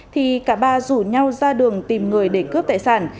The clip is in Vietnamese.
thì cả ba rủ nhau ra đường tìm người để cướp tài sản